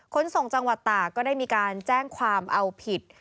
ขนส่งจังหวัดตากก็ได้มีการแจ้งความเอาผิด